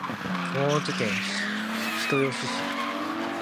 熊本県人吉市